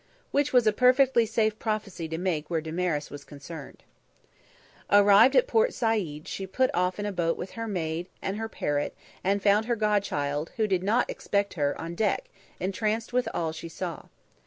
Which was a perfectly safe prophecy to make where Damaris was concerned. Arrived at Port Said, she put off in a boat with her maid and her parrot, and found her godchild, who did not expect her, on deck, entranced with all she saw.